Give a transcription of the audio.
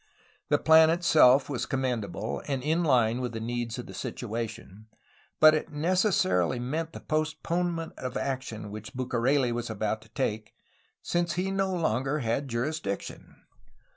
The plan itself was commendable and in hne with the needs of the situation, but it necessarily meant the postponement of action which Bucareli was about to take, since he no longer had jurisdiction.